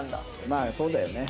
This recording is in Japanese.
まあそうだよね。